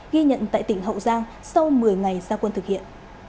ghi nhận tại tỉnh hậu giang sau một mươi ngày gia quân thực hiện